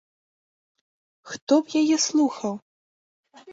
Хто б яе слухаў?